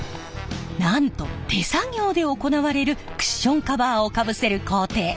なんと手作業で行われるクッションカバーをかぶせる工程。